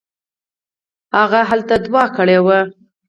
هغه هلته دوعا کړې وه.